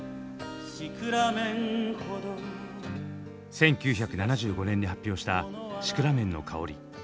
１９７５年に発表した「シクラメンのかほり」。